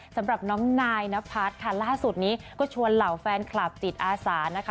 สำหรับน้องนายนพัฒน์ค่ะล่าสุดนี้ก็ชวนเหล่าแฟนคลับจิตอาสานะคะ